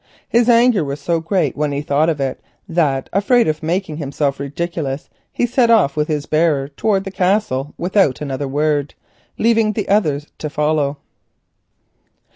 His anger was so great when he thought of it, that afraid of making himself ridiculous, he set off with his bearer towards the Castle without another word, leaving the others to follow.